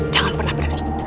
jangan pernah berani